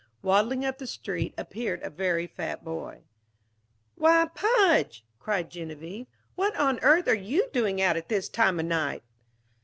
Waddling up the street appeared a very fat boy. "Why, Pudge," cried Geneviève, "what on earth are you doing out at this time of night!"